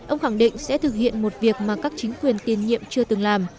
ông khẳng định sẽ thực hiện một việc mà các chính quyền tiền nhiệm chưa từng làm